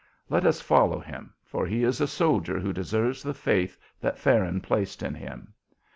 Let us follow him, for he is a soldier who deserves the faith that Farron placed in him.